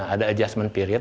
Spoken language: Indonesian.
ada adjustment period